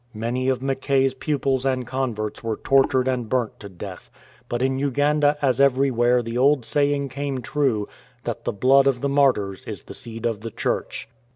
Many of Mackay's pupils and converts were tortured and burnt to death ; but in Uganda as elsewhere the old saying came true that " the blood of the martyrs is the seed of the Church."